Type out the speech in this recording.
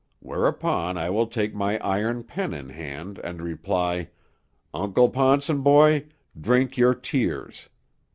Whereupon I will take my iron pen in hand, and reply: 'Uncle Ponsonboy: Drink your tears.'